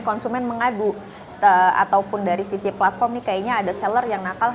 konsumen mengadu ataupun dari sisi platform nih kayaknya ada seller yang nakal